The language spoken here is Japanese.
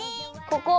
ここ。